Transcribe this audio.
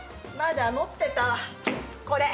まだ持ってたわ。